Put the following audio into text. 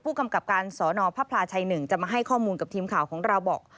กำกับการสนพระพลาชัย๑จะมาให้ข้อมูลกับทีมข่าวของเราบอก